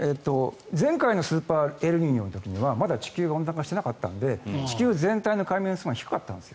前回のスーパーエルニーニョの時にはまだ地球が温暖化していなかったので地球全体の海面水温が低かったんです。